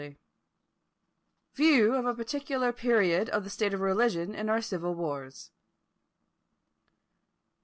VIEW OF A PARTICULAR PERIOD OF THE STATE OF RELIGION IN OUR CIVIL WARS.